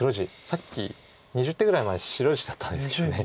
さっき２０手ぐらい前は白地だったんですけど。